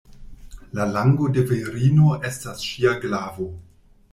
La lango de virino estas ŝia glavo.